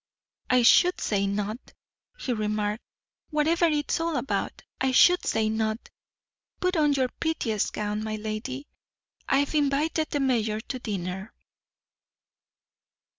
"I should say not," he remarked. "Whatever it's all about, I should say not. Put on your prettiest gown, my lady. I've invited the mayor to dinner."